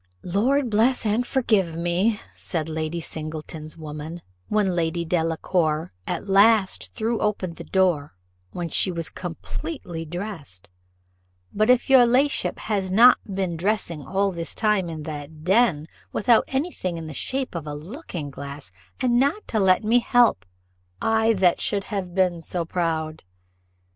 "Lord bless and forgive me," said Lady Singleton's woman, when Lady Delacour at last threw open the door, when she was completely dressed "but if your la'ship has not been dressing all this time in that den, without any thing in the shape of a looking glass, and not to let me help! I that should have been so proud."